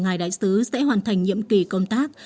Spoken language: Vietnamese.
ngài đại sứ sẽ hoàn thành nhiệm kỳ công tác